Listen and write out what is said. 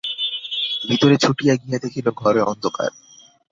ভিতরে ছুটিয়া গিয়া দেখিল, ঘরে অন্ধকার।